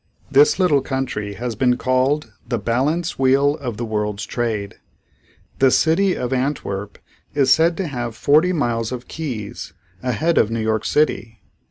This little country has been called the "balance wheel of the world's trade." The city of Antwerp is said to have forty miles of quays ahead of New York City.